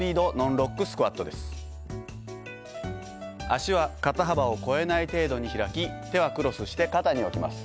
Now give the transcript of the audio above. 足は肩幅を超えない程度に開き手はクロスして肩に置きます。